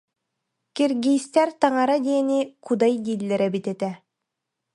Киргизтэр таҥара диэни кудай дииллэр эбит этэ